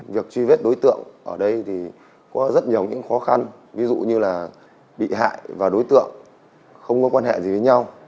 việc truy vết đối tượng ở đây thì có rất nhiều những khó khăn ví dụ như là bị hại và đối tượng không có quan hệ gì với nhau